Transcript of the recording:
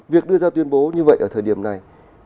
việc đưa ra tuyên bố như vậy ở thời điểm này